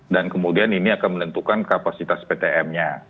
dan kemudian ini akan menentukan kapasitas ptm nya